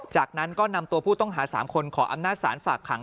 จากนั้นก็นำตัวผู้ต้องหา๓คนขออำนาจศาลฝากขัง